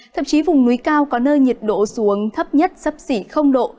thậm chí vùng núi cao có nơi nhiệt độ xuống thấp nhất sắp xỉ độ